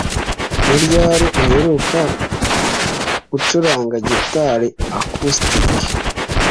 Ni ryari uheruka gucuranga gitari acoustic?